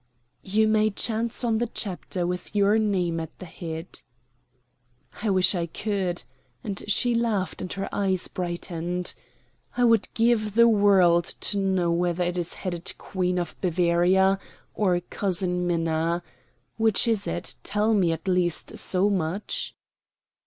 "You may chance on the chapter with your name at the head." "I wish I could," and she laughed and her eyes brightened. "I would give the world to know whether it is headed Queen of Bavaria or cousin Minna. Which is it? Tell me, at least, so much."